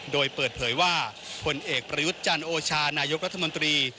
โดยเปิดเผยว่าผลเอกประยุทธ์จันโอชานายกรัฐมนตรี